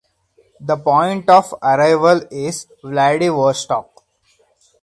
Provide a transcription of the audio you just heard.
The point of arrival is Vladivostok.